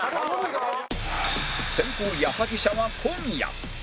先攻矢作舎は小宮